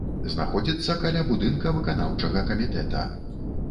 Знаходзіцца каля будынка выканаўчага камітэта.